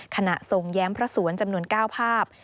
ขณะทรงแย้มพระสวนจำนวน๙ภาพ